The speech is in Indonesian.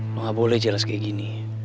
lo gak boleh jelas kayak gini